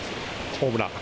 ホームラン。